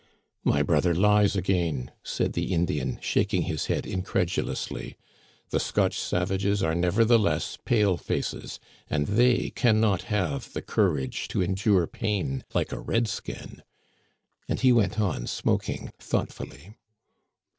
''My brother lies again," said the Indian, shaking his head incredulously. " The Scotch savages are never theless pale faces, and they can not have the courage to endure pain like a red skin." And he went on smoking thoughtfully.